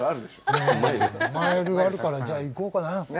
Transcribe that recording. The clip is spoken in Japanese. マイルがあるからじゃあ行こうかな。